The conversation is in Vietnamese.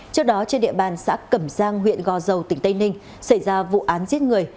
trước đó trên địa bàn xã cẩm giang huyện gò dầu tỉnh tây ninh xảy ra vụ án giết người